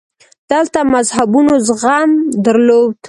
دلته مذهبونو زغم درلود